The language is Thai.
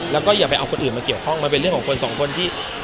แล้วก็อย่าไปเอาคนอื่นมาเกี่ยวข้องมันเป็นเรื่องของคนสองคนที่